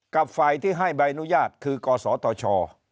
กับฝ่ายที่ให้ใบอนุญาตคือกศตช